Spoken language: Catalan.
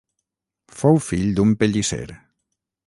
Fou fill d'un pellisser.